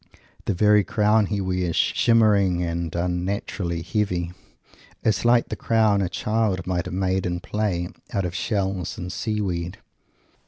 The very crown he wears, shimmering and unnaturally heavy, is like the crown a child might have made in play, out of shells and sea weed.